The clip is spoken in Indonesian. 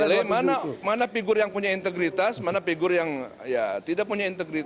dan raya bisa menilai mana figur yang punya integritas mana figur yang ya tidak punya integritas